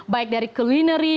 baik dari culinary